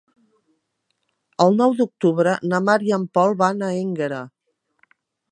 El nou d'octubre na Mar i en Pol van a Énguera.